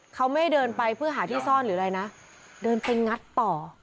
เขาไม่ได้เดินไปเพื่อหาที่ซ่อนหรืออะไรนะเดินไปงัดต่อ